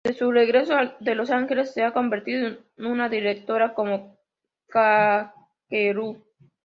Desde su regreso de Los Ángeles, se ha convertido en una directora, como Kakeru.